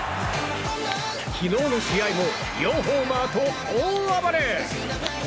昨日の試合も４ホーマーと大暴れ！